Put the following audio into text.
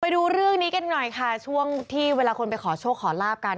ดูเรื่องนี้กันหน่อยค่ะช่วงที่เวลาคนไปขอโชคขอลาบกัน